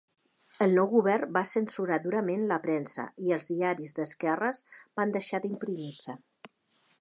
El nou govern va censurar durament la premsa i els diaris d'esquerres van deixar d'imprimir-se.